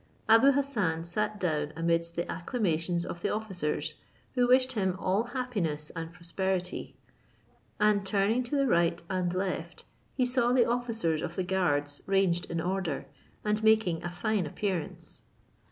Abou Hassan sat down amidst the acclamations of the officers, who wished him all happiness and prosperity, and turning to the right and left he saw the officers of the guards ranged in order, and making a fine appearance.